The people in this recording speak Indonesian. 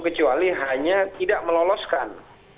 kecuali hanya tidak meloloskan